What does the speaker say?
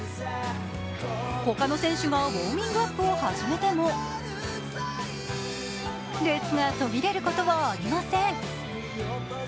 他の選手がウォーミングアップを始めても列が途切れることはありません。